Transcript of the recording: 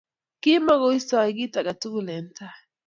Kimakuisoi kit ake tukul eng' tai